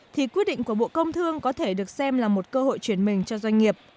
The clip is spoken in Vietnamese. thì quyết định của bộ công thương có thể được xem là một cơ hội chuyển mình cho doanh nghiệp